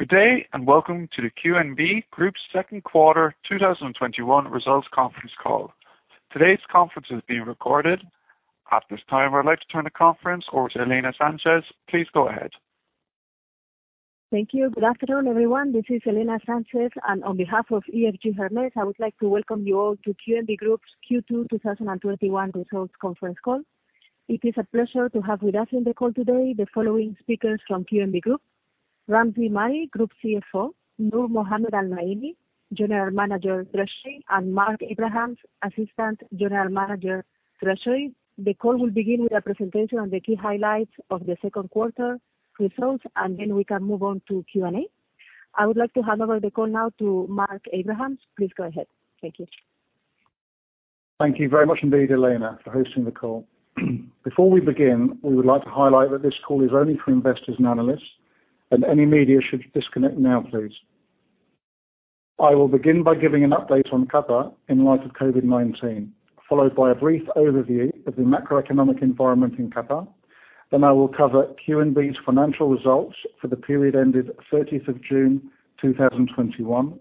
Good day, and welcome to the QNB Group second quarter 2021 results conference call. Today's conference is being recorded. At this time, I'd like to turn the conference over to Elena Sanchez-Cabezudo. Please go ahead. Thank you. Good afternoon, everyone. This is Elena Sanchez, and on behalf of EFG Hermes, I would like to welcome you all to QNB Group's Q2 2021 results conference call. It is a pleasure to have with us on the call today the following speakers from QNB Group: Ramzi Mari, Group Chief Financial Officer, Noor Mohammed Al-Naimi, General Manager, Treasury, and Mark Abrahams, Assistant General Manager, Treasury. The call will begin with a presentation on the key highlights of the second quarter results. Then we can move on to Q&A. I would like to hand over the call now to Mark Abrahams. Please go ahead. Thank you. Thank you very much indeed, Elena, for hosting the call. Before we begin, we would like to highlight that this call is only for investors and analysts. Any media should disconnect now, please. I will begin by giving an update on Qatar in light of COVID-19, followed by a brief overview of the macroeconomic environment in Qatar. I will cover QNB's financial results for the period ended 30th of June 2021.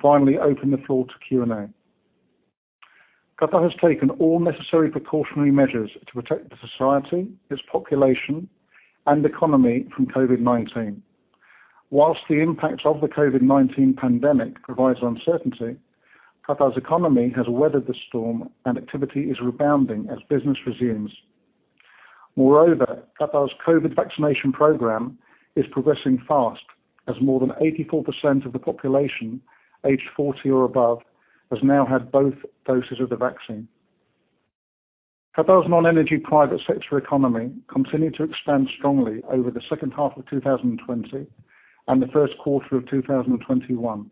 Finally open the floor to Q&A. Qatar has taken all necessary precautionary measures to protect the society, its population, and the economy from COVID-19. Whilst the impact of the COVID-19 pandemic provides uncertainty, Qatar's economy has weathered the storm, and activity is rebounding as business resumes. Moreover, Qatar's COVID vaccination program is progressing fast, as more than 84% of the population aged 40 or above has now had both doses of the vaccine. Qatar's non-energy private sector economy continued to expand strongly over the second half of 2020 and the first quarter of 2021,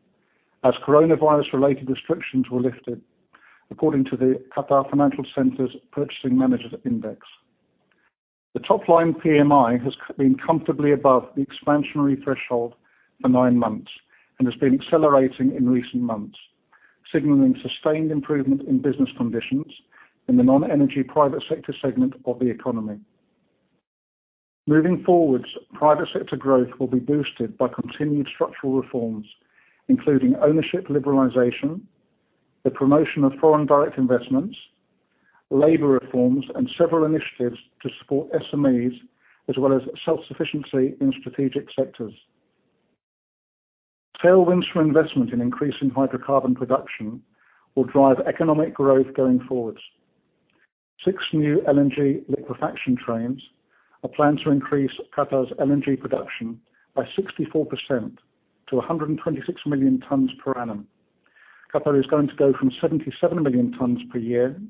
as coronavirus-related restrictions were lifted, according to the Qatar Financial Centre's Purchasing Managers' Index. The top-line PMI has been comfortably above the expansionary threshold for nine months and has been accelerating in recent months, signaling sustained improvement in business conditions in the non-energy private sector segment of the economy. Moving forwards, private sector growth will be boosted by continued structural reforms, including ownership liberalization, the promotion of foreign direct investments, labor reforms, and several initiatives to support SMEs, as well as self-sufficiency in strategic sectors. Tailwinds from investment in increasing hydrocarbon production will drive economic growth going forwards. Six new LNG liquefaction trains are planned to increase Qatar's LNG production by 64% to 126 million tons per annum. Qatar is going to go from 77 million tons per year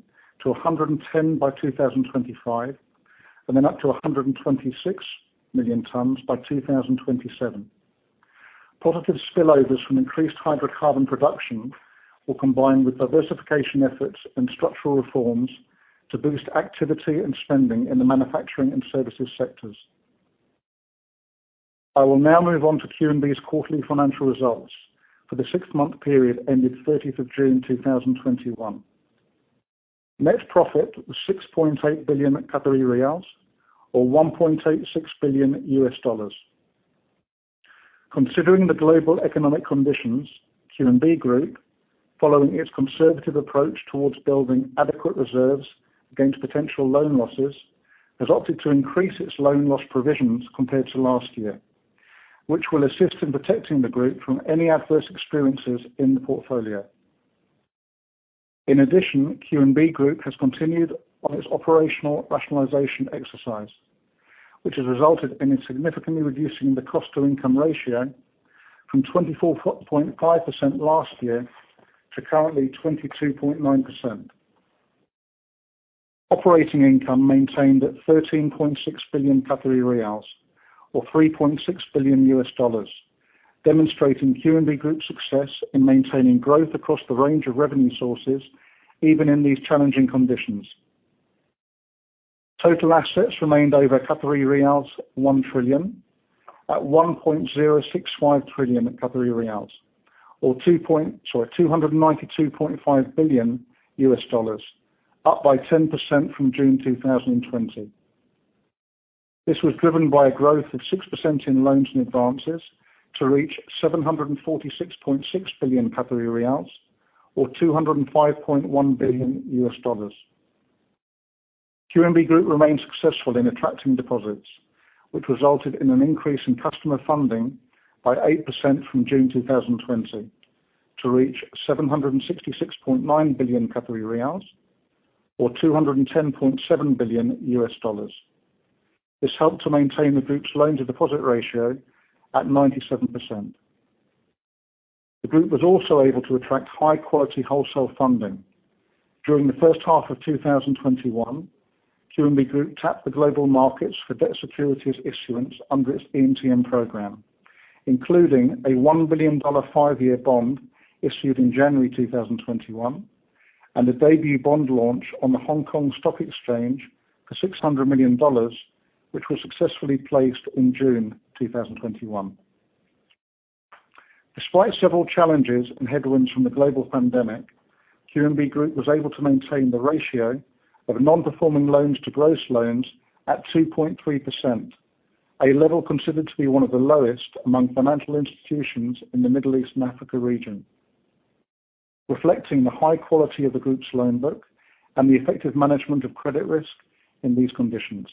to 110 by 2025, and then up to 126 million tons by 2027. Positive spillovers from increased hydrocarbon production will combine with diversification efforts and structural reforms to boost activity and spending in the manufacturing and services sectors. I will now move on to QNB's quarterly financial results for the six-month period ended 30th of June 2021. Net profit was 6.8 billion Qatari riyals, or $1.86 billion. Considering the global economic conditions, QNB Group, following its conservative approach towards building adequate reserves against potential loan losses, has opted to increase its loan loss provisions compared to last year, which will assist in protecting the group from any adverse experiences in the portfolio. In addition, QNB Group has continued on its operational rationalization exercise, which has resulted in it significantly reducing the cost-to-income ratio from 24.5% last year to currently 22.9%. Operating income maintained at 13.6 billion Qatari riyals, or $3.6 billion, demonstrating QNB Group's success in maintaining growth across the range of revenue sources, even in these challenging conditions. Total assets remained over 1 trillion at 1.065 trillion, or $292.5 billion, up by 10% from June 2020. This was driven by a growth of 6% in loans and advances to reach 746.6 billion Qatari riyals, or $205.1 billion. QNB Group remained successful in attracting deposits, which resulted in an increase in customer funding by 8% from June 2020 to reach 766.9 billion Qatari riyals, or $210.7 billion. This helped to maintain the group's loan-to-deposit ratio at 97%. The group was also able to attract high-quality wholesale funding. During the first half of 2021, QNB Group tapped the global markets for debt securities issuance under its EMTN program, including a $1 billion five-year bond issued in January 2021 and a debut bond launch on the Hong Kong Stock Exchange for $600 million, which was successfully placed in June 2021. Despite several challenges and headwinds from the global pandemic, QNB Group was able to maintain the ratio of non-performing loans to gross loans at 2.3%, a level considered to be one of the lowest among financial institutions in the Middle East and Africa region, reflecting the high quality of the Group's loan book and the effective management of credit risk in these conditions.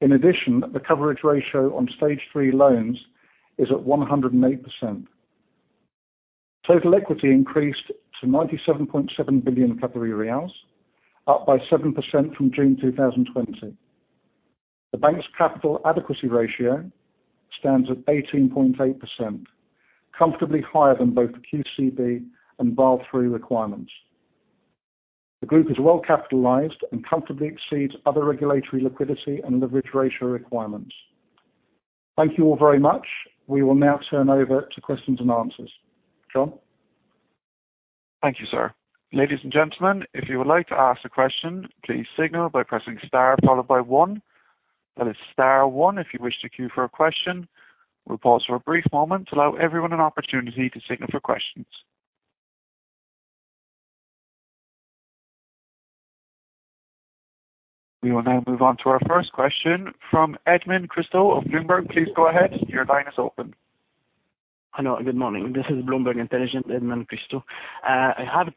In addition, the coverage ratio on Stage 3 loans is at 108%. Total equity increased to 97.7 billion Qatari riyals, up by 7% from June 2020. The bank's capital adequacy ratio stands at 18.8%, comfortably higher than both the QCB and Basel III requirements. The group is well capitalized and comfortably exceeds other regulatory liquidity and leverage ratio requirements. Thank you all very much. We will now turn over to questions and answers. John? Thank you, sir. Ladies and gentlemen, if you would like to ask a question, please signal by pressing star followed by one. That is star one if you wish to queue for a question. We will pause for a brief moment to allow everyone an opportunity to signal for questions. We will now move on to our first question from Edmond Christou of Bloomberg. Please go ahead. Your line is open. Hello, good morning. This is Bloomberg Intelligence, Edmond Christou. I have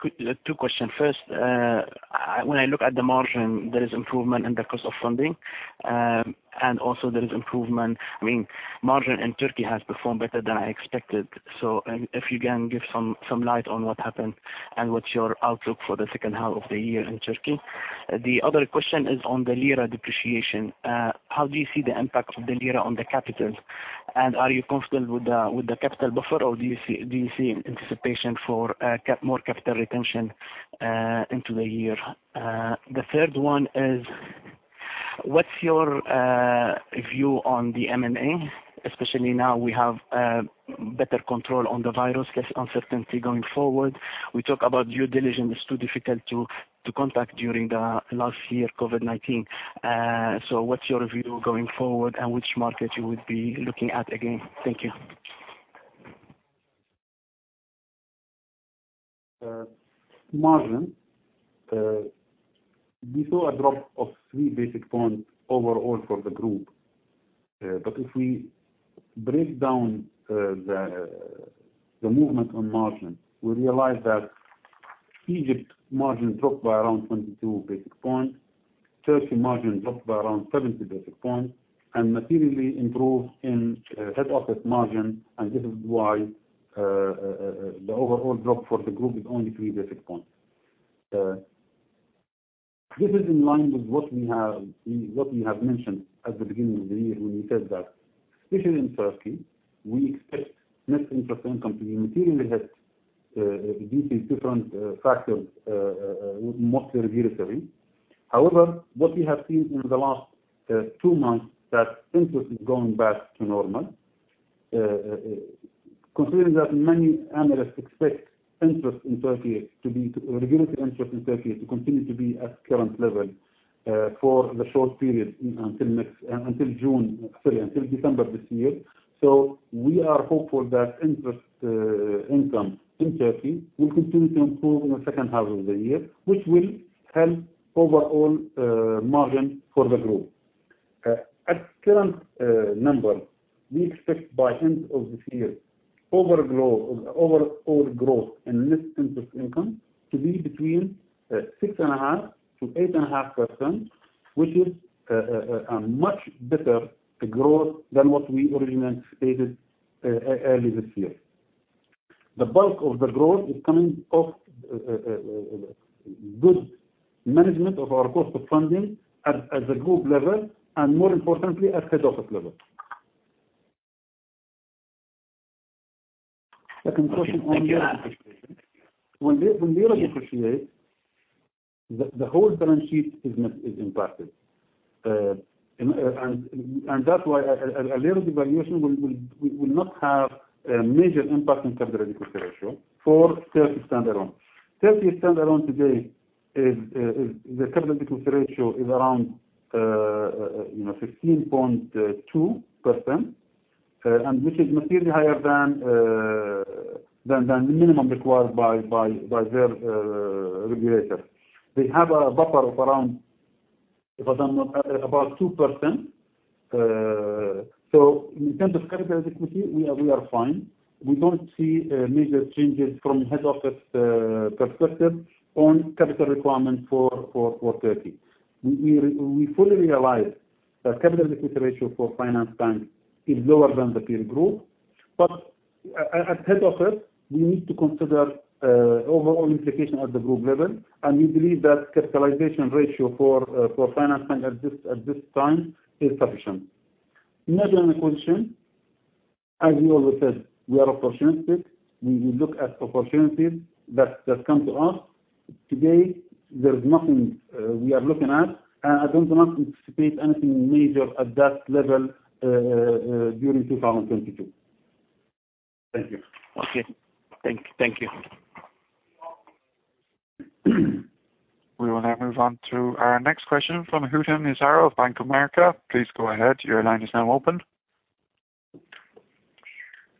two questions. First, when I look at the margin, there is improvement in the cost of funding, and also there is improvement, margin in Turkey has performed better than I expected. If you can give some light on what happened and what's your outlook for the second half of the year in Turkey. The other question is on the lira depreciation. How do you see the impact of the lira on the capital? Are you comfortable with the capital buffer, or do you see anticipation for more capital retention into the year? The third one is, what's your view on the M&A? Especially now we have better control on the virus, less uncertainty going forward. We talk about due diligence is too difficult to conduct during the last year, COVID-19. What's your view going forward and which market you would be looking at again? Thank you. Margin. We saw a drop of three basic points overall for the Group. If we break down the movement on margin, we realize that Egypt margin dropped by around 22 basic points, Turkey margin dropped by around 70 basic points, and materially improved in head office margin, and this is why the overall drop for the Group is only three basic points. This is in line with what we have mentioned at the beginning of the year when we said that, especially in Turkey, we expect net interest income to be materially hit due to different factors, mostly regulatory. However, what we have seen in the last two months, that interest is going back to normal. Considering that many analysts expect regulatory interest in Turkey to continue to be at current level for the short period until June, sorry, until December this year. We are hopeful that interest income in Turkey will continue to improve in the second half of the year, which will help overall margin for the Group. At current number, we expect by end of this year, overall growth and net interest income to be between 6.5%-8.5%, which is a much better growth than what we originally stated earlier this year. The bulk of the growth is coming off good management of our cost of funding at the group level, and more importantly at head office level. Second question on lira depreciation. When the lira depreciate, the whole balance sheet is impacted. That's why a lira devaluation will not have a major impact on capital adequacy ratio for Turkey standalone. Turkey standalone today, the capital adequacy ratio is around 15.2%, which is materially higher than the minimum required by their regulator. They have a buffer of around, if I'm not about 2%. In terms of capital equity, we are fine. We don't see major changes from head office perspective on capital requirement for Turkey. We fully realize that capital adequacy ratio for Finansbank is lower than the peer group. At head office, we need to consider overall implication at the group level, and we believe that capitalization ratio for Finansbank at this time is sufficient. Merging acquisition, as we always said, we are opportunistic. We look at opportunities that come to us. Today, there's nothing we are looking at. I do not anticipate anything major at that level during 2022. Thank you. Okay. Thank you. We will now move on to our next question from Hootan Yazhari of Bank of America. Please go ahead. Your line is now open.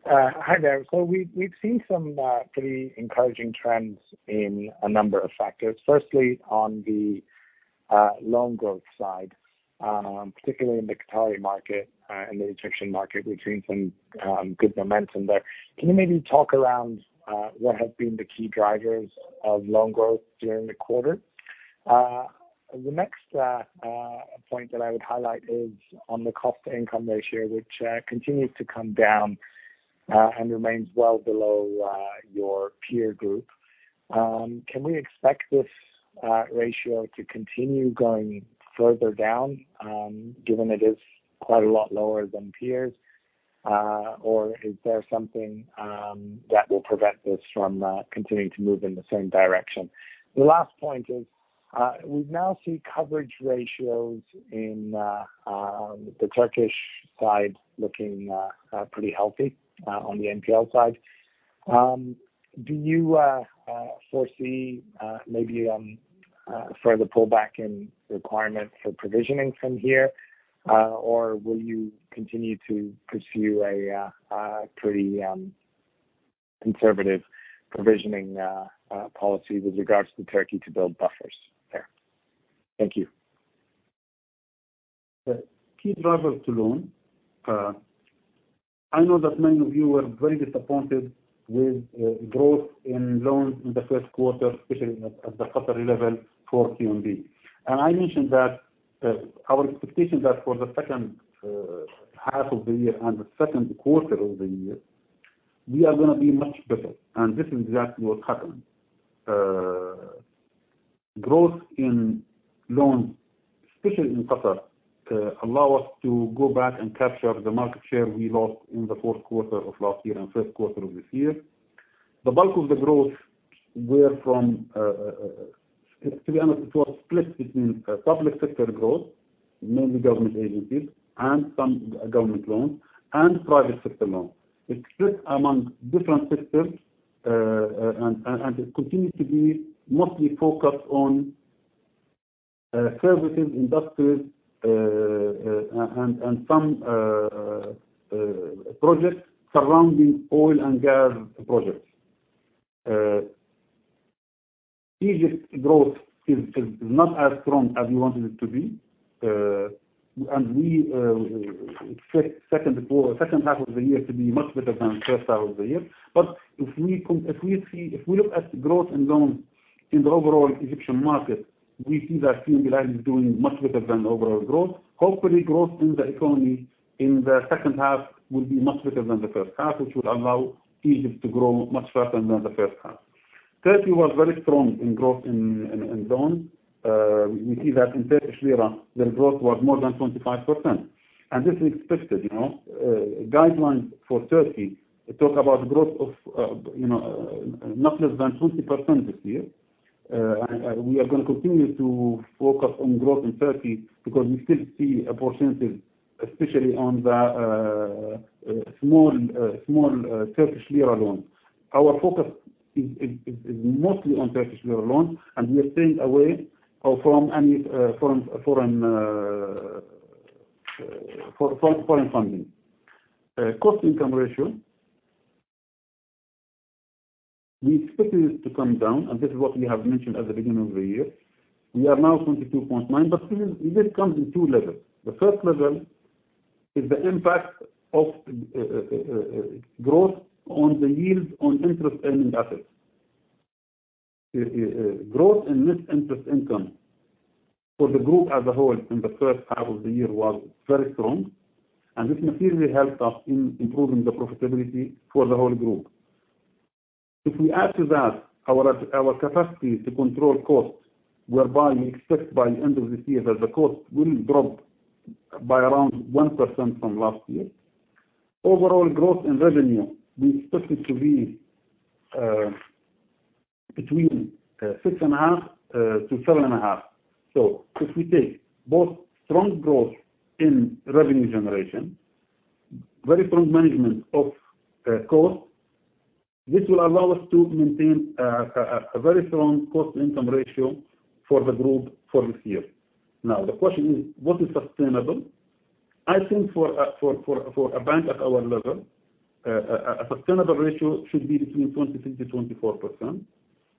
Hi there. We've seen some pretty encouraging trends in a number of factors. Firstly, on the loan growth side, particularly in the Qatari market and the Egyptian market, we've seen some good momentum there. Can you maybe talk around what have been the key drivers of loan growth during the quarter? The next point that I would highlight is on the cost-to-income ratio, which continues to come down and remains well below your peer group. Can we expect this ratio to continue going further down, given it is quite a lot lower than peers? Is there something that will prevent this from continuing to move in the same direction? The last point is, we now see coverage ratios in the Turkish side looking pretty healthy on the NPL side. Do you foresee maybe a further pullback in requirements for provisioning from here? Will you continue to pursue a pretty conservative provisioning policy with regards to Turkey to build buffers there? Thank you. The key drivers to loan. I know that many of you were very disappointed with growth in loans in the first quarter, especially at the Qatari level for QNB. I mentioned that our expectation that for the second half of the year and the second quarter of the year, we are going to be much better. This is exactly what happened. Growth in loans, especially in Qatar, allow us to go back and capture the market share we lost in the fourth quarter of last year and first quarter of this year. The bulk of the growth, to be honest, it was split between public sector growth, mainly government agencies and some government loans, and private sector loans. It's split among different sectors, and it continues to be mostly focused on services, industries, and some projects surrounding oil and gas projects. Egypt growth is not as strong as we wanted it to be, and we expect second half of the year to be much better than first half of the year. If we look at growth and loans in the overall Egyptian market, we see that QNB is doing much better than the overall growth. Hopefully, growth in the economy in the second half will be much better than the first half, which will allow Egypt to grow much faster than the first half. Turkey was very strong in growth in loans. We see that in Turkish lira, the growth was more than 25%. This is expected. Guidelines for Turkey talk about growth of not less than 20% this year. We are going to continue to focus on growth in Turkey because we still see a percentage, especially on the small Turkish lira loans. Our focus is mostly on Turkish lira loans, and we are staying away from any foreign funding. Cost-income ratio, we expected it to come down, and this is what we have mentioned at the beginning of the year. We are now 22.9%, but still, this comes in 2 levels. The first level is the impact of growth on the yield on interest-earning assets. Growth in net interest income for the group as a whole in the first half of the year was very strong, and this materially helped us in improving the profitability for the whole group. If we add to that our capacity to control costs, whereby we expect by the end of this year that the cost will drop by around 1% from last year. Overall growth in revenue, we expect it to be between 6.5%-7.5%. If we take both strong growth in revenue generation, very strong management of cost, this will allow us to maintain a very strong Cost-income ratio for the group for this year. Now, the question is, what is sustainable? I think for a bank at our level, a sustainable ratio should be between 23%-24%.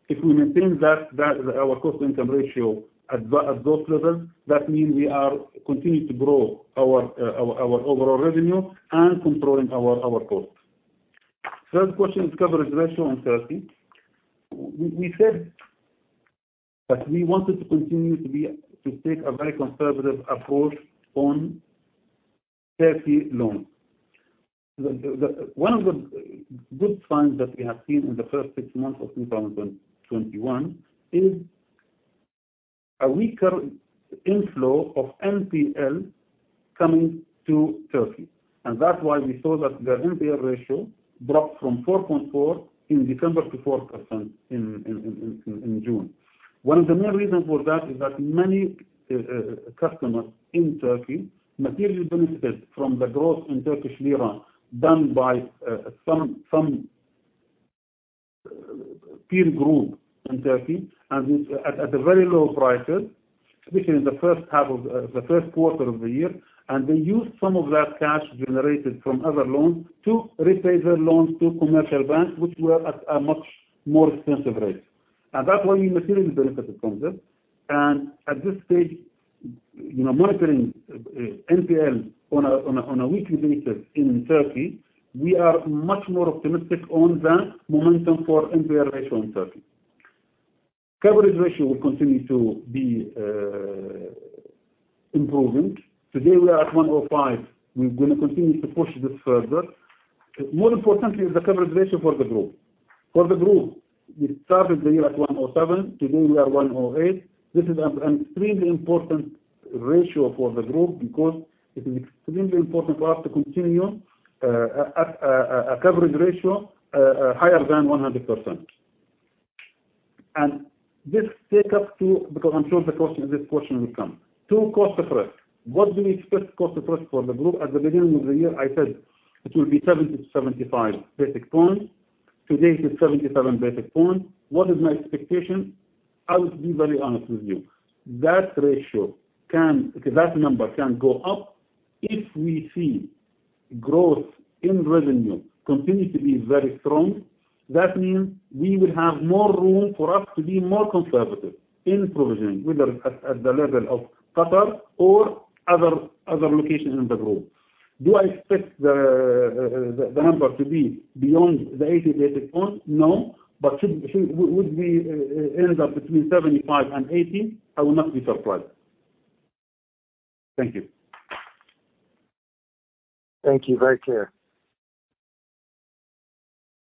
If we maintain our Cost-income ratio at those levels, that means we are continuing to grow our overall revenue and controlling our costs. Third question is coverage ratio on Turkey. We said that we wanted to continue to take a very conservative approach on Turkey loans. One of the good signs that we have seen in the first six months of 2021 is a weaker inflow of NPL coming to Turkey. That's why we saw that the NPL ratio dropped from 4.4% in December to 4% in June. One of the main reasons for that is that many customers in Turkey materially benefited from the growth in Turkish lira done by some Peer group in Turkey, and at very low prices, especially in the first quarter of the year. They used some of that cash generated from other loans to repay their loans to commercial banks, which were at a much more expensive rate. That's why we materially benefited from this. At this stage, monitoring NPL on a weekly basis in Turkey, we are much more optimistic on the momentum for NPL ratio in Turkey. Coverage ratio will continue to be improving. Today we are at 105%. We're going to continue to push this further. More importantly is the coverage ratio for the group. For the group, we started the year at 107%, today we are 108%. This is an extremely important ratio for the group because it is extremely important for us to continue at a coverage ratio higher than 100%. This take up to, because I'm sure this question will come, to cost of risk. What do we expect cost of risk for the group? At the beginning of the year, I said it will be 70 to 75 basis points. Today, it is 77 basis points. What is my expectation? I will be very honest with you. That number can go up if we see growth in revenue continue to be very strong. That means we will have more room for us to be more conservative in provisioning, whether at the level of Qatar or other locations in the group. Do I expect the number to be beyond the 80 basis points? No, but should we end up between 75 and 80, I will not be surprised. Thank you. Thank you. Very clear.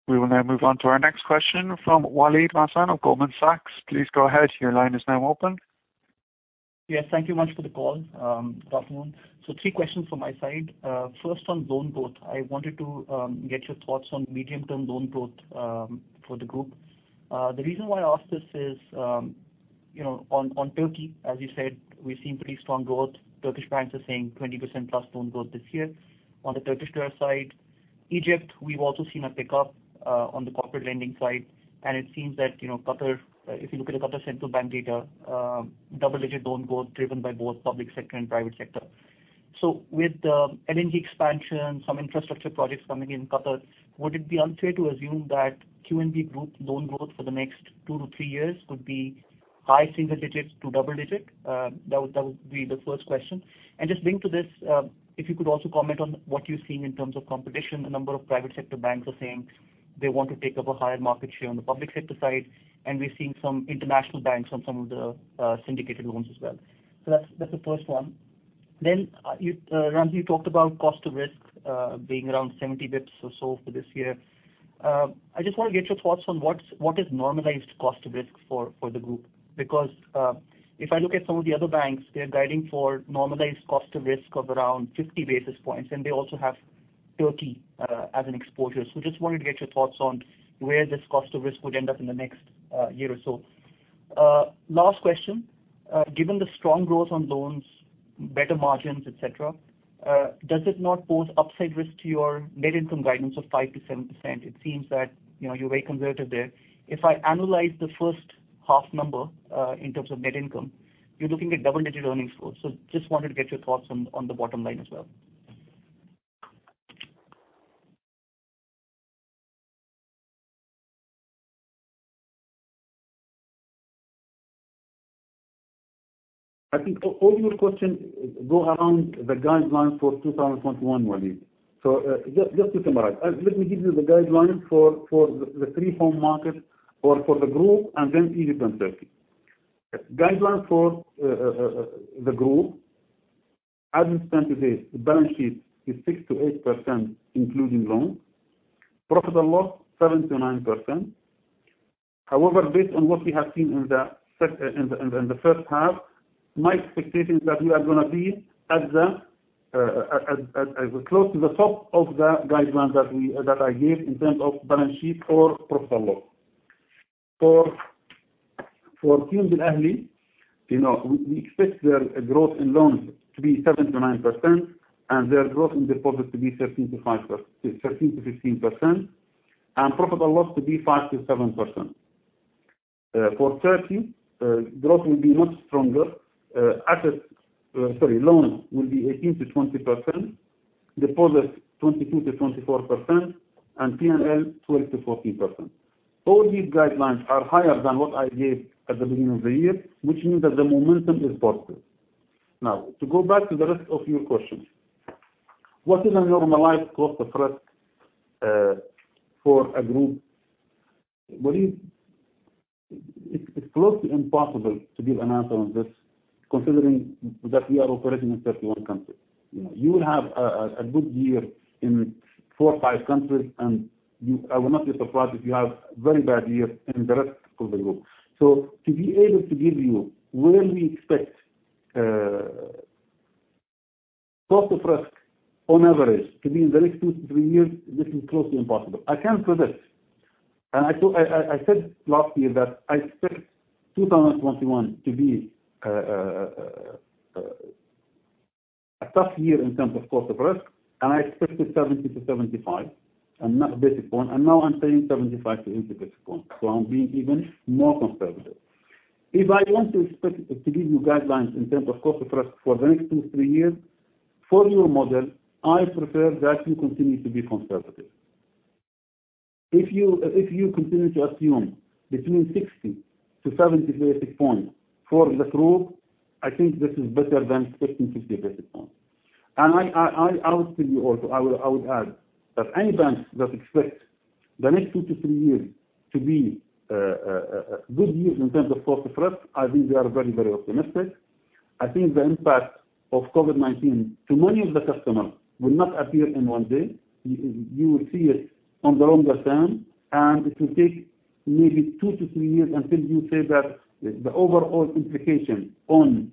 We will now move on to our next question from Waleed Malik Mohsin of Goldman Sachs. Please go ahead. Your line is now open. Yes, thank you much for the call. Good afternoon. Three questions from my side. First, on loan growth, I wanted to get your thoughts on medium-term loan growth for the group. The reason why I ask this is, on Turkey, as you said, we've seen pretty strong growth. Turkish banks are saying 20% plus loan growth this year on the Turkish lira side. Egypt, we've also seen a pickup on the corporate lending side, and it seems that Qatar, if you look at Qatar Central Bank data, double-digit loan growth driven by both public sector and private sector. So with the LNG expansion, some infrastructure projects coming in Qatar, would it be unfair to assume that QNB Group loan growth for the next two to three years could be high single digits to double-digit? That would be the first question. Just linked to this, if you could also comment on what you're seeing in terms of competition. A number of private sector banks are saying they want to take up a higher market share on the public sector side, and we're seeing some international banks on some of the syndicated loans as well. That's the first one. Ramzi, you talked about cost of risk being around 70 basis points or so for this year. I just want to get your thoughts on what is normalized cost of risk for the group. If I look at some of the other banks, they're guiding for normalized cost of risk of around 50 basis points, and they also have Turkey as an exposure. Just wanted to get your thoughts on where this cost of risk would end up in the next year or so. Last question, given the strong growth on loans, better margins, et cetera, does it not pose upside risk to your net income guidance of 5%-7%? It seems that you're very conservative there. If I analyze the first half number, in terms of net income, you're looking at double-digit earnings growth. Just wanted to get your thoughts on the bottom line as well. I think all your questions go around the guidelines for 2021, Waleed. Just to summarize, let me give you the guidelines for the three home markets, or for the group, and then Egypt and Turkey. Guidelines for the group, as we stand today, the balance sheet is 6%-8%, including loans. Profit and loss, 7%-9%. However, based on what we have seen in the first half, my expectation is that we are going to be as close to the top of the guidelines that I gave in terms of balance sheet or profit and loss. For QNB Alahli, we expect their growth in loans to be 7%-9%, and their growth in deposits to be 13%-15%, and profit and loss to be 5%-7%. For Turkey, growth will be much stronger. Loans will be 18%-20%, deposits 22%-24%, and P&L 12%-14%. All these guidelines are higher than what I gave at the beginning of the year, which means that the momentum is positive. To go back to the rest of your questions. What is a normalized cost of risk for a group? Waleed, it's close to impossible to give an answer on this, considering that we are operating in 31 countries. You will have a good year in four or five countries, and I will not be surprised if you have very bad years in the rest of the group. To be able to give you where we expect cost of risk on average to be in the next two to three years, this is close to impossible. I can say this, I said last year that I expect 2021 to be a tough year in terms of cost of risk, I expected 70 to 75 basis points, now I'm saying 75 to 80 basis points. I'm being even more conservative. If I want to give you guidelines in terms of cost of risk for the next two, three years, for your model, I prefer that you continue to be conservative. If you continue to assume between 60 to 70 basis points for the group, I think this is better than expecting 50 basis points. I would tell you also, I would add that any banks that expect the next two to three years to be good years in terms of cost of risk, I think they are very optimistic. I think the impact of COVID-19 to many of the customers will not appear in one day. You will see it on the longer term, it will take maybe two to three years until you say that the overall implication on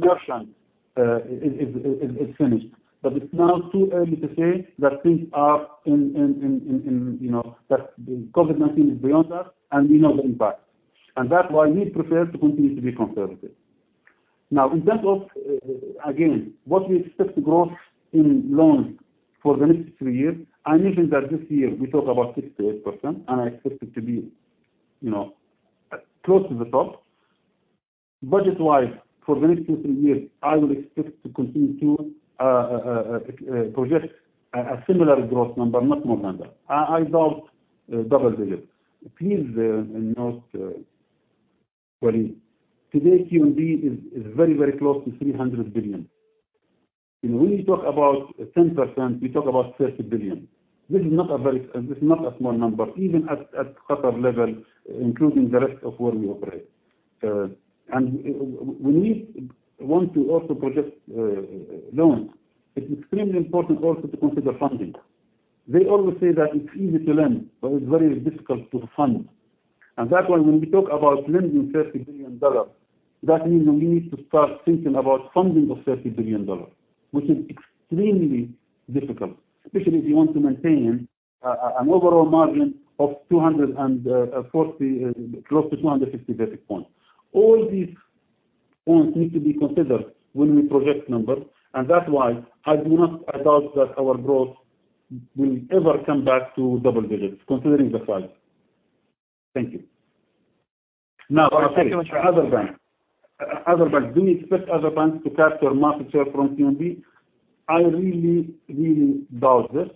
merchants is finished. It's now too early to say that COVID-19 is beyond us and we know the impact. That's why we prefer to continue to be conservative. Now, in terms of, again, what we expect growth in loans for the next three years, I mentioned that this year we talk about 6%-8% and I expect it to be close to the top. Budget-wise, for the next two, three years, I will expect to continue to project a similar growth number, not more than that. I doubt double digits. Please note, Waleed, today QNB is very close to 300 billion. When we talk about 10%, we talk about 30 billion. This is not a small number, even at Qatar level, including the rest of where we operate. We need one to also project loans. It's extremely important also to consider funding. They always say that it's easy to lend, but it's very difficult to fund. That one, when we talk about lending QAR 30 billion, that means that we need to start thinking about funding of QAR 30 billion, which is extremely difficult, especially if you want to maintain an overall margin of 240, close to 250 basis points. All these points need to be considered when we project numbers, that's why I doubt that our growth will ever come back to double digits, considering the size. Thank you. Now- Thank you very much other banks. Do we expect other banks to capture market share from QNB? I really doubt this.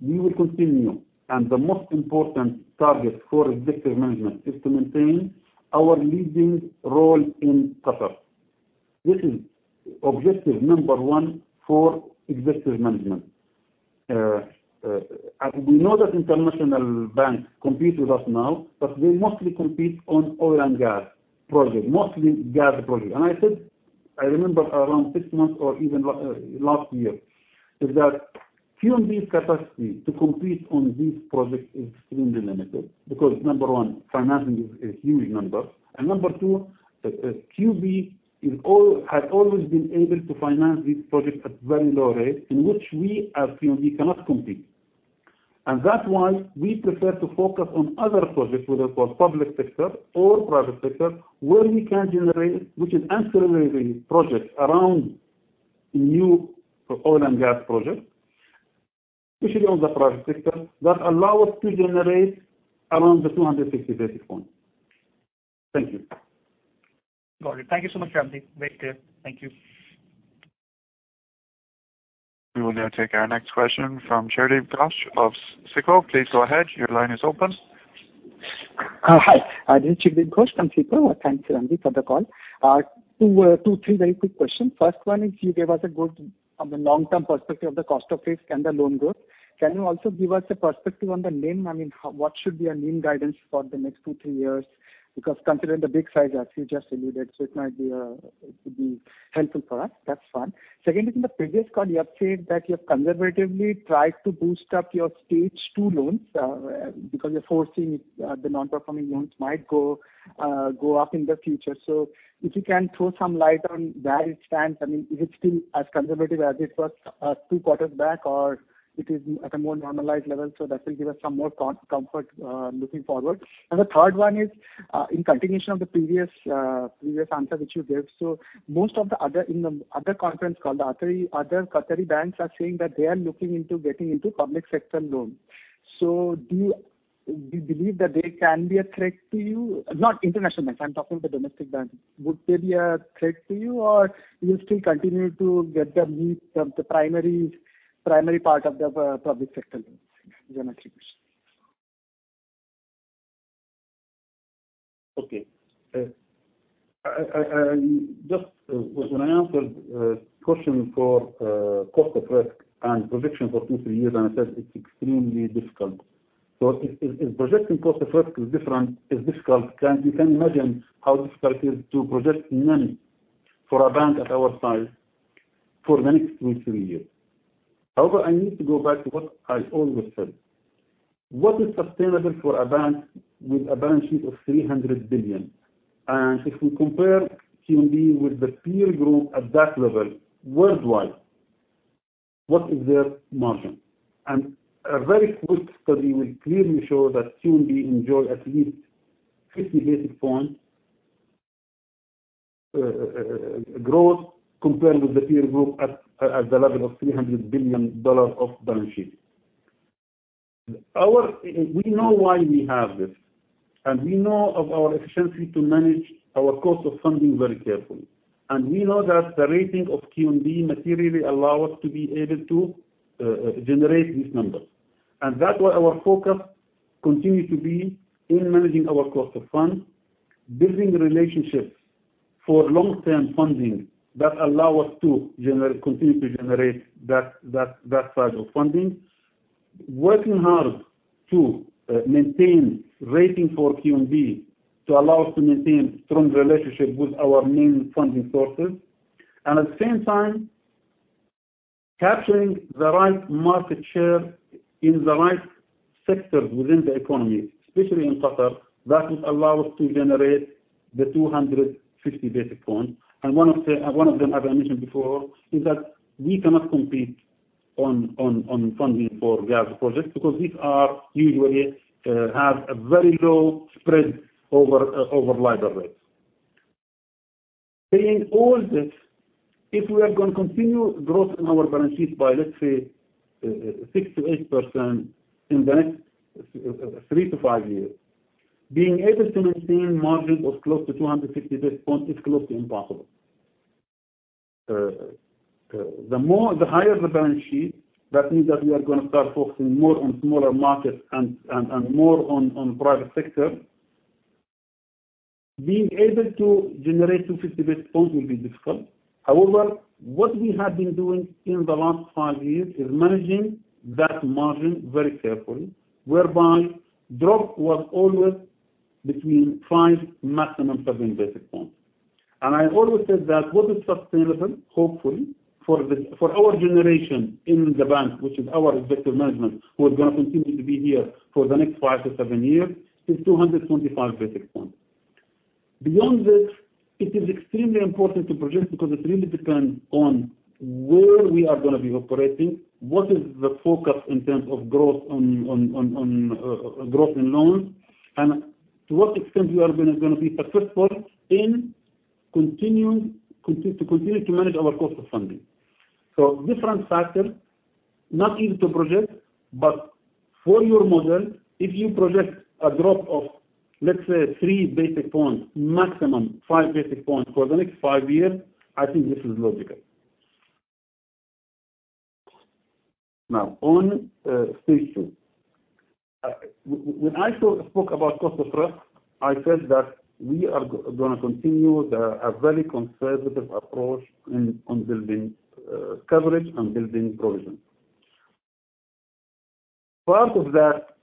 We will continue, the most important target for executive management is to maintain our leading role in Qatar. This is objective number one for executive management. We know that international banks compete with us now, but they mostly compete on oil and gas projects, mostly gas projects. I said, I remember around six months or even last year, is that QNB's capacity to compete on these projects is extremely limited because, number one, financing is a huge number. number two, QP has always been able to finance these projects at very low rates in which we as QNB cannot compete. That's why we prefer to focus on other projects, whether for public sector or private sector, where we can generate, which is ancillary projects around new oil and gas projects, especially on the private sector, that allow us to generate around the 250 basis points. Thank you. Got it. Thank you so much, Rander. Very clear. Thank you. We will now take our next question from Chiradeep Ghosh of SICO. Please go ahead. Your line is open. Hi. This is Chiradeep Ghosh from SICO. Thanks, Rander, for the call. Two, three very quick questions. First one is, you gave us a good, from the long-term perspective of the cost of risk and the loan growth. Can you also give us a perspective on the NIM? What should be a NIM guidance for the next two, three years? Because considering the big size, as you just alluded, it could be helpful for us. That's one. Second is, in the previous call, you have said that you have conservatively tried to boost up your stage 2 loans, because you're foreseeing the non-performing loans might go up in the future. If you can throw some light on where it stands. Is it still as conservative as it was two quarters back, or it is at a more normalized level? That will give us some more comfort looking forward. The third one is, in continuation of the previous answer which you gave. Most of the other, in the other conference call, the other Qatari banks are saying that they are looking into getting into public sector loans. Do you believe that they can be a threat to you? Not international banks, I'm talking about the domestic banks. Would they be a threat to you, or you'll still continue to get the meat of the primary part of the public sector loans? Those are my three questions. Okay. When I answered question for cost of risk and projection for two, three years, I said it's extremely difficult. If projecting cost of risk is difficult, you can imagine how difficult it is to project NIM for a bank at our size for the next two, three years. However, I need to go back to what I always said. What is sustainable for a bank with a balance sheet of 300 billion? If we compare QNB with the peer group at that level worldwide. What is their margin? A very quick study will clearly show that QNB enjoy at least 50 basis points growth compared with the peer group at the level of QAR 300 billion of balance sheet. We know why we have this, we know of our efficiency to manage our cost of funding very carefully. We know that the rating of QNB materially allow us to be able to generate these numbers. That's why our focus continue to be in managing our cost of funds, building relationships for long-term funding that allow us to continue to generate that side of funding. Working hard to maintain rating for QNB, to allow us to maintain strong relationship with our main funding sources. At the same time, capturing the right market share in the right sectors within the economy, especially in Qatar, that will allow us to generate the 250 basis points. One of them, as I mentioned before, is that we cannot compete on funding for gas projects because these usually have a very low spread over LIBOR rates. Saying all this, if we are going to continue growth in our balance sheets by, let's say, 6%-8% in the next three to five years, being able to maintain margins of close to 250 basis points is close to impossible. The higher the balance sheet, that means that we are going to start focusing more on smaller markets and more on private sector. Being able to generate 250 basis points will be difficult. However, what we have been doing in the last five years is managing that margin very carefully, whereby drop was always between five, maximum seven basis points. I always said that what is sustainable, hopefully, for our generation in the bank, which is our executive management, who are going to continue to be here for the next five to seven years, is 225 basis points. Beyond this, it is extremely important to project because it really depends on where we are going to be operating, what is the focus in terms of growth on growth in loans, and to what extent we are going to be successful in continuing to continue to manage our cost of funding. Different factors, not easy to project, but for your model, if you project a drop of, let's say, three basis points, maximum five basis points for the next five years, I think this is logical. On stage 2. When I spoke about cost of risk, I said that we are going to continue a very conservative approach on building coverage and building provisions. Part of that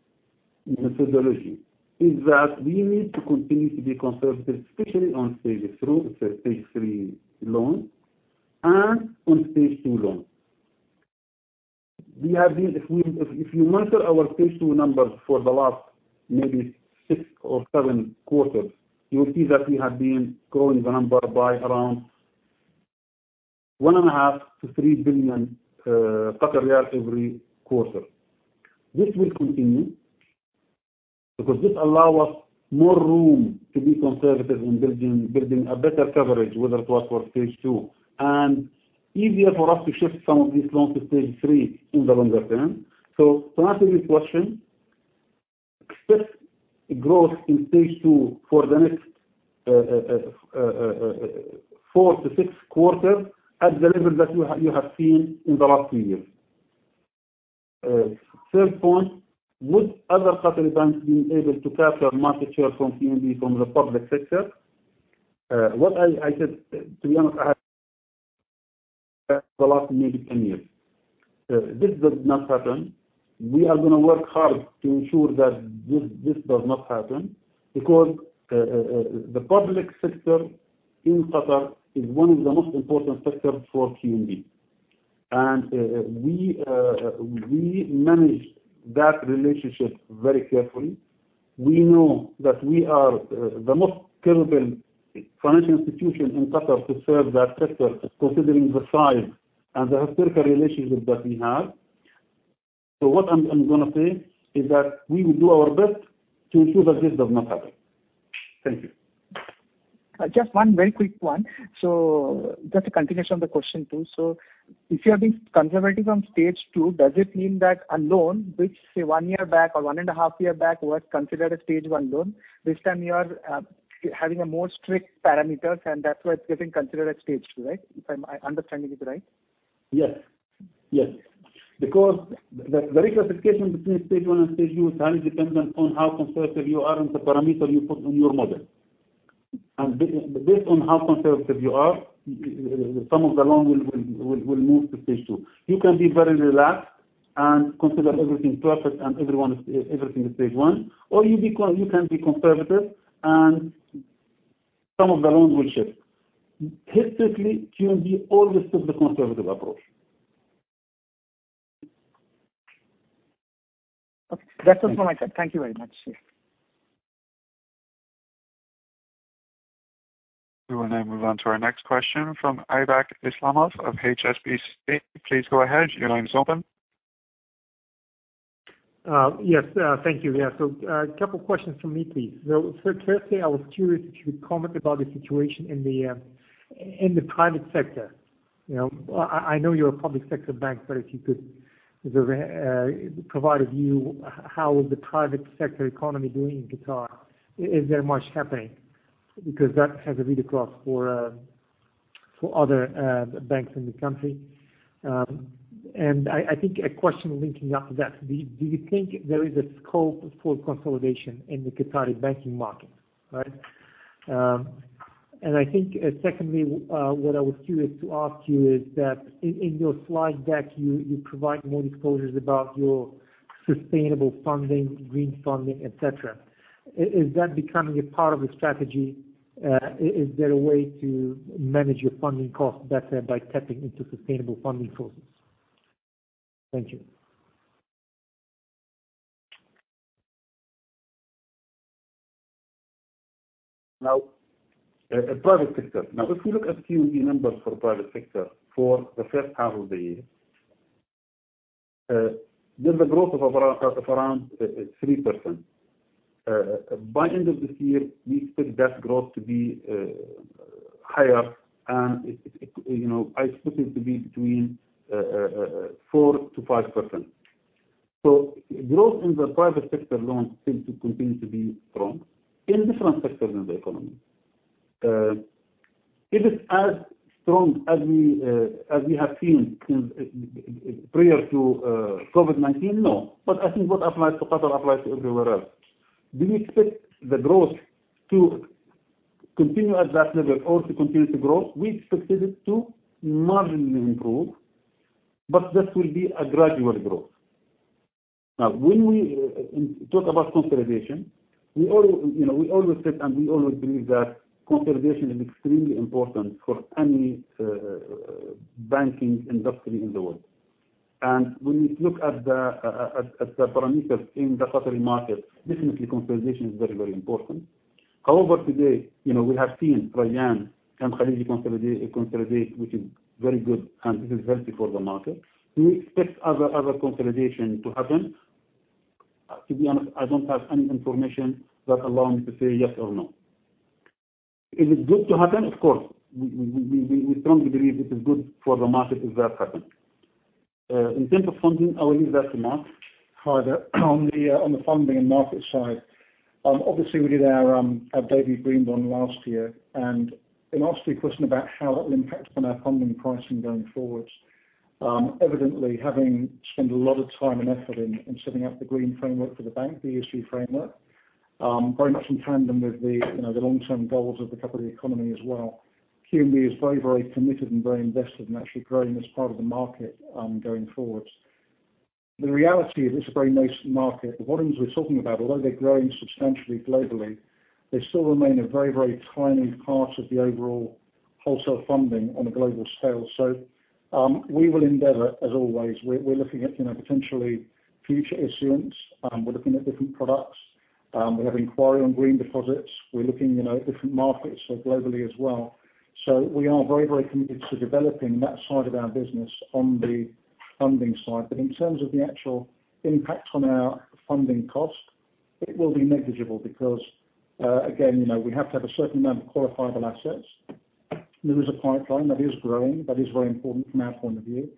methodology is that we need to continue to be conservative, especially on stage 3 loans and on stage 2 loans. If you monitor our stage 2 numbers for the last maybe six or seven quarters, you will see that we have been growing the number by around 1.5 billion QAR to 3 billion QAR every quarter. This will continue because this allow us more room to be conservative in building a better coverage, whether it was for stage 2, and easier for us to shift some of these loans to stage 3 in the longer term. To answer this question, expect growth in stage 2 for the next four to six quarters at the level that you have seen in the last few years. Third point, would other Qatari banks been able to capture market share from QNB from the public sector? What I said, to be honest, I have the last maybe 10 years. This does not happen. We are going to work hard to ensure that this does not happen because the public sector in Qatar is one of the most important sectors for QNB. We manage that relationship very carefully. We know that we are the most credible financial institution in Qatar to serve that sector, considering the size and the historical relationship that we have. What I'm going to say is that we will do our best to ensure that this does not happen. Thank you. Just one very quick one. Just a continuation of the question two, if you have been conservative on stage 2, does it mean that a loan which, say, one year back or one and a half year back was considered a stage 1 loan, this time you are having a more strict parameters, and that's why it's getting considered as stage 2, right? If I'm understanding it right. Yes. Because the reclassification between stage 1 and stage 2 is highly dependent on how conservative you are and the parameter you put on your model. Based on how conservative you are, some of the loan will move to stage 2. You can be very relaxed and consider everything perfect and everything is stage 1, or you can be conservative and some of the loans will shift. Historically, QNB always took the conservative approach. Okay. That's just from my side. Thank you very much. We will now move on to our next question from Aybek Islamov of HSBC. Please go ahead. Your line is open. Yes. Thank you. A couple questions from me, please. Firstly, I was curious if you could comment about the situation in the private sector. I know you're a public sector bank, but if you could provide a view how the private sector economy is doing in Qatar. Is there much happening? Because that has a read-across for other banks in the country. I think a question linking up to that, do you think there is a scope for consolidation in the Qatari banking market, right? I think secondly, what I was curious to ask you is that in your slide deck, you provide more disclosures about your sustainable funding, green funding, et cetera. Is that becoming a part of the strategy? Is there a way to manage your funding cost better by tapping into sustainable funding sources? Thank you. The private sector. If we look at QNB numbers for private sector for the first half of the year, there's a growth of around 3%. By end of this year, we expect that growth to be higher and I expect it to be between 4%-5%. Growth in the private sector loans seem to continue to be strong in different sectors in the economy. Is it as strong as we have seen since prior to COVID-19? No, but I think what applies to Qatar applies to everywhere else. Do we expect the growth to continue at that level or to continue to grow? We expect it to marginally improve, but that will be a gradual growth. When we talk about consolidation, we always said and we always believe that consolidation is extremely important for any banking industry in the world. When we look at the parameters in the Qatari market, definitely consolidation is very important. However, today, we have seen Rakan and Qatari consolidate, which is very good, and this is healthy for the market. Do we expect other consolidation to happen? To be honest, I don't have any information that allow me to say yes or no. Is it good to happen? Of course. We strongly believe it is good for the market if that happens. In terms of funding, I will leave that to Mark. Hi there. On the funding and market side, obviously we did our debut green bond last year, an obvious key question about how it will impact on our funding pricing going forward. Evidently, having spent a lot of time and effort in setting up the green framework for the bank, the ESG framework, very much in tandem with the long-term goals of the Qatari economy as well, QNB is very committed and very invested in actually growing as part of the market going forward. The reality is it's a very nascent market. The volumes we're talking about, although they're growing substantially globally, they still remain a very tiny part of the overall wholesale funding on a global scale. We will endeavor, as always. We're looking at potentially future issuance. We're looking at different products. We have inquiry on green deposits. We're looking at different markets globally as well. We are very committed to developing that side of our business on the funding side. In terms of the actual impact on our funding cost, it will be negligible because, again, we have to have a certain amount of qualifiable assets. There is a pipeline that is growing, that is very important from our point of view.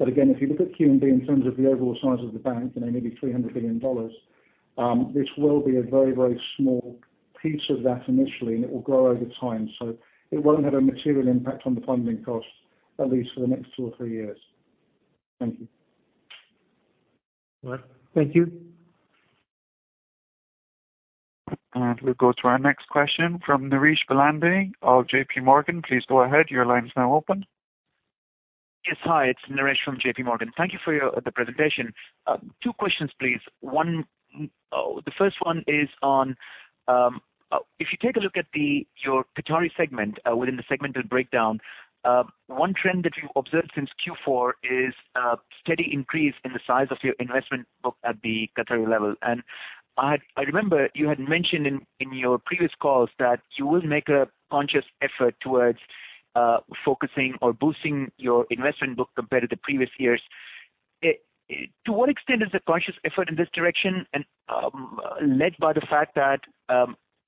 Again, if you look at QNB in terms of the overall size of the bank, maybe QAR 300 billion, this will be a very small piece of that initially, and it will grow over time. It won't have a material impact on the funding cost, at least for the next two or three years. Thank you. All right. Thank you. We'll go to our next question from Naresh N. Bilandani of JPMorgan. Please go ahead. Your line is now open. Yes. Hi, it's Naresh from JPMorgan. Thank you for your presentation. Two questions, please. The first one is on, if you take a look at your Qatari segment within the segmental breakdown, one trend that you've observed since Q4 is a steady increase in the size of your investment book at the Qatari level. I remember you had mentioned in your previous calls that you will make a conscious effort towards focusing or boosting your investment book compared to the previous years. To what extent is the conscious effort in this direction and led by the fact that,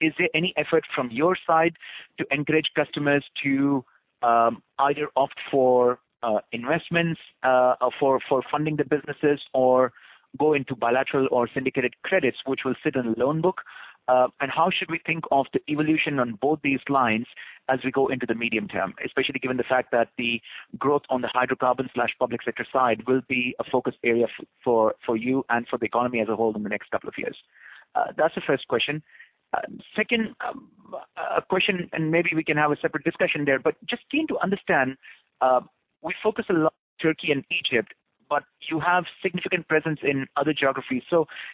is there any effort from your side to encourage customers to either opt for investments for funding the businesses or go into bilateral or syndicated credits which will sit in the loan book? How should we think of the evolution on both these lines as we go into the medium term, especially given the fact that the growth on the hydrocarbon/public sector side will be a focus area for you and for the economy as a whole in the next couple of years. That's the first question. Second question, maybe we can have a separate discussion there, but just keen to understand, we focus a lot on Turkey and Egypt, but you have significant presence in other geographies.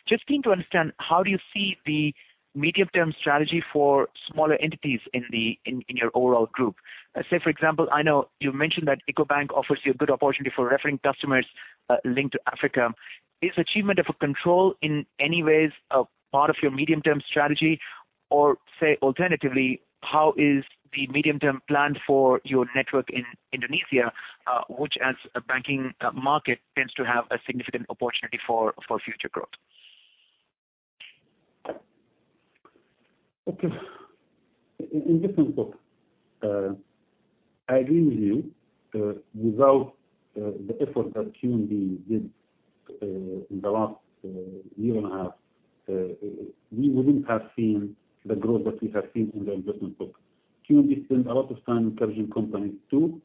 Just keen to understand, how do you see the medium-term strategy for smaller entities in your overall group? Say, for example, I know you mentioned that Ecobank offers you a good opportunity for referring customers linked to Africa. Is achievement of a control in any ways a part of your medium-term strategy? Say, alternatively, how is the medium-term plan for your network in Indonesia, which as a banking market tends to have a significant opportunity for future growth? In investment book, I agree with you. Without the effort that QNB did in the last year and a half, we wouldn't have seen the growth that we have seen in the investment book. QNB spent a lot of time encouraging companies to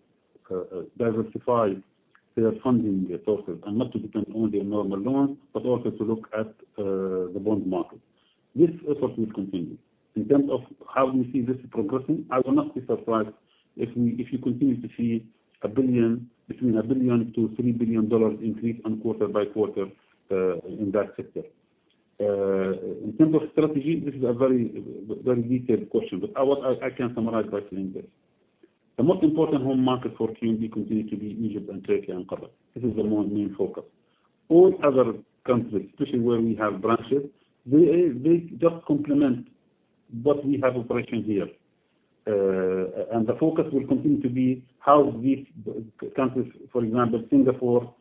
diversify their funding sources and not to depend only on normal loans, but also to look at the bond market. This effort will continue. In terms of how we see this progressing, I will not be surprised if you continue to see between 1 billion to QAR 3 billion increase on quarter by quarter in that sector. In terms of strategy, this is a very detailed question, but I can summarize by saying this. The most important home market for QNB continue to be Egypt and Turkey and Qatar. This is the main focus. All other countries, especially where we have branches, they just complement what we have operations here. The focus will continue to be how these countries, for example, Singapore,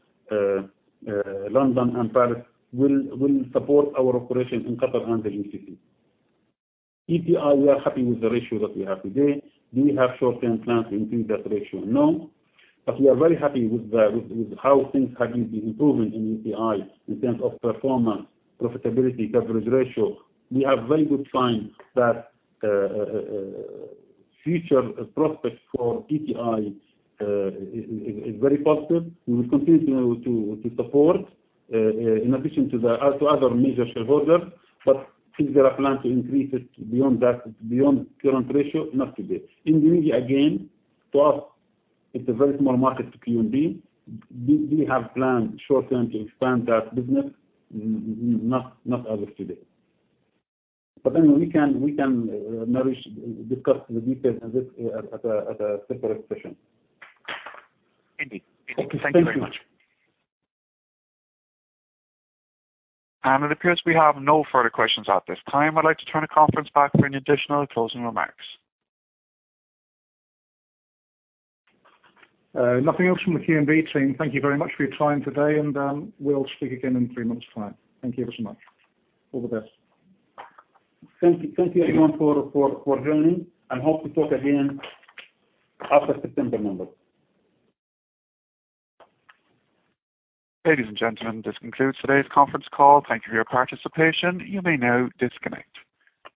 London, and Paris, will support our operation in Qatar and Egypt. ETI, we are happy with the ratio that we have today. Do we have short-term plans to increase that ratio? No. We are very happy with how things have been improving in ETI in terms of performance, profitability, coverage ratio. We are very good signs that future prospects for ETI is very positive. We will continue to support in addition to other major shareholders. Is there a plan to increase it beyond current ratio? Not today. Indonesia, again, to us, it's a very small market to QNB. Do we have plans short-term to expand that business? Not as of today. Anyway, we can Naresh, discuss the details of this at a separate session. Indeed. Okay. Thank you. Thank you very much. It appears we have no further questions at this time. I'd like to turn the conference back for any additional closing remarks. Nothing else from the QNB team. Thank you very much for your time today, and we'll speak again in three months' time. Thank you ever so much. All the best. Thank you everyone for joining, and hope to talk again after September numbers. Ladies and gentlemen, this concludes today's conference call. Thank you for your participation. You may now disconnect.